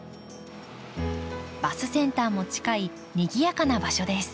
バスセンターも近いにぎやかな場所です。